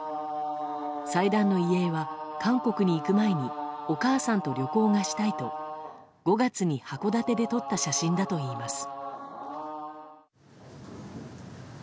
祭壇の遺影は、韓国に行く前にお母さんと旅行がしたいと５月に函館で撮った写真だといいます。